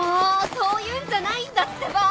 そういうんじゃないんだってば！